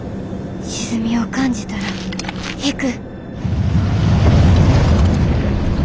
沈みを感じたら引く。